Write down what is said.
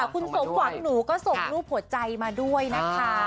คุณสมหวังหนูก็ส่งรูปหัวใจมาด้วยนะคะ